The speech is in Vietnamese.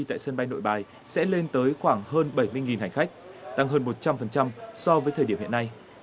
tại sân bay nội bài sẽ lên tới khoảng hơn bảy mươi hành khách tăng hơn một trăm linh so với thời điểm hiện nay